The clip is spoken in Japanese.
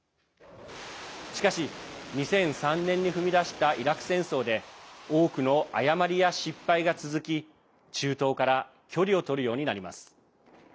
しかし、２００３年に踏み出したイラク戦争で多くの誤りや失敗が続き中東から距離を取るようになります。